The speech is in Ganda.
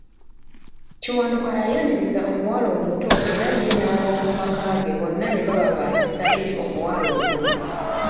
Kiwanuka yayaniriza omuwala omuto era ye n'ab'omumaka ge bonna ne baba ba kisa eri omuwala oyo.